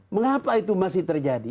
mengapa itu masih terjadi